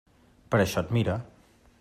Per això et mire.